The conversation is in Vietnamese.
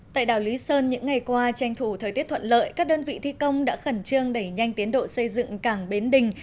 tại đảo lý sơn những ngày qua tranh thủ thời tiết thuận lợi các đơn vị thi công đã khẩn trương đẩy nhanh tiến độ xây dựng cảng bến đình